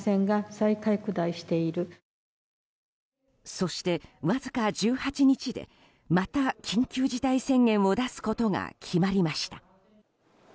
そして、わずか１８日でまた緊急事態宣言を出すことが決まりました。